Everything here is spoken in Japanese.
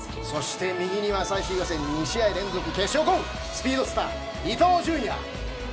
そして右には最終予選２試合連続決勝ゴールスピードスター、伊東純也。